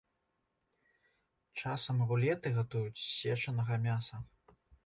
Часам рулеты гатуюць з сечанага мяса.